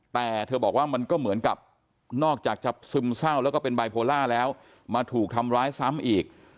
แต่เธอบอกว่ามันก็เหมือนกับนอกจากจะซึมเศร้าแล้วก็เป็นบายโพล่าแล้วมาถูกทำร้ายซ้ำอีก